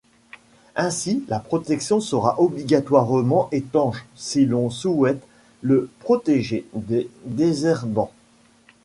Ainsi la protection sera obligatoirement étanche si l’on souhaite le protéger des désherbants.